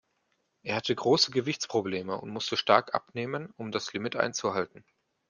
Er hatte große Gewichtsprobleme und musste stark abnehmen, um das Limit einzuhalten.